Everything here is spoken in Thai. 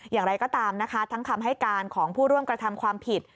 อย่างไรก็ตามนะคะทั้งคำให้การของผู้ร่วมกระทำความผิด